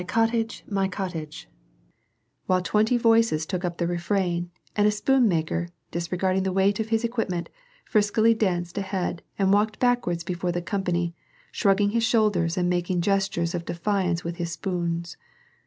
• while twenty voices took up the refrain, and a spoonmaker, disregarding the weight of his equipment, friskily danced ahead and walked backwards before the company, shrugging his shoulders and making gestures of defiance with his spoons.